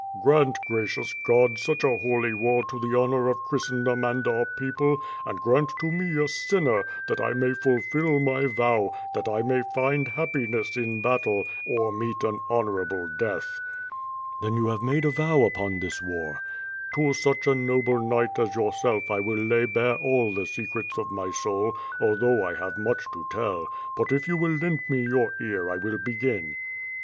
"Grant, gracious God, such a holy war to the honor of Christendom and our people; and grant to me, a sinner, that I may fulfil my vow, that I may find happiness in battle, or meet an honorable death." "Then you have made a vow upon this war?" "To such a noble knight as yourself I will lay bare all the secrets of my soul although T have much to tell; but if you will lend me your ear, I will begin.